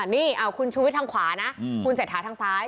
นี่คุณชุวิตทางขวานะคุณเสถาทางซ้าย